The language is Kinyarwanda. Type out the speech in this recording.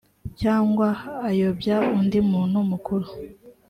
cyangwa uyobya undi muntu mukuru